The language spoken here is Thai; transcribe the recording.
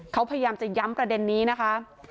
เขาพยายามจะย้ำประเด็นนี้นะคะ